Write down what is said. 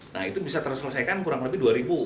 nah itu bisa terselesaikan kurang lebih dua ribu